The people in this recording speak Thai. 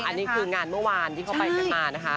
อันนี้คืองานเมื่อวานที่เขาไปกันมานะคะ